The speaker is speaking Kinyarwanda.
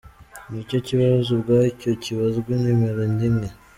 N’icyo kibazo ubwacyo kibazwa nimero rimwe.